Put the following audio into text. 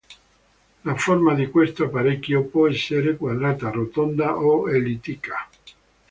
La forma di questo apparecchio può essere quadrata, rotonda o ellittica.